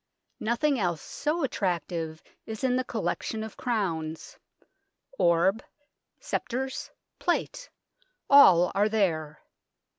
Nothing else so attractive is in the collection of crowns. Orb, sceptres, plate, all are there.